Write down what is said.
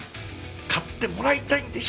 買ってもらいたいんでしょ？